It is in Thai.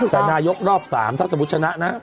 แต่นายกรอบ๓ถ้าสมมุติชนะนะ